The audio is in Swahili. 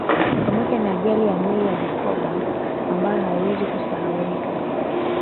Pamoja na ajali ya meli ya Bukoba ambayo haiwezi kusahaulika